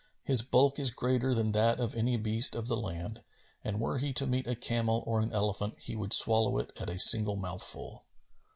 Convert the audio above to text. His bulk is greater than that of any beast of the land, and were he to meet a camel or an elephant, he would swallow it at a single mouthful."